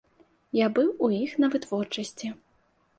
Я быў у іх на вытворчасці.